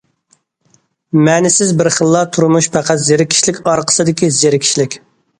مەنىسىز بىر خىللا تۇرمۇش پەقەت زېرىكىشلىك ئارقىسىدىكى زېرىكىشلىك.